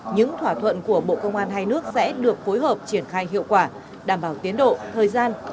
những thỏa thuận của bộ công an hai nước sẽ được phối hợp triển khai hiệu quả đảm bảo tiến độ thời gian